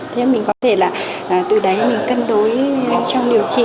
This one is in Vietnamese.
thế nên mình có thể là từ đấy mình cân đối trong điều trị